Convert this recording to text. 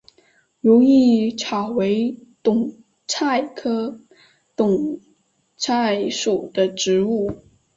如意草为堇菜科堇菜属的植物。